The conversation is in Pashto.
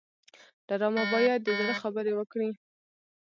ډرامه باید د زړه خبرې وکړي